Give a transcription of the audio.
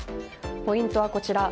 ポイントは、こちら。